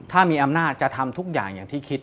ถ้ามีอำนาจจะทำทุกอย่างอย่างที่คิด